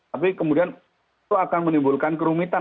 tapi kemudian itu akan menimbulkan kerumitan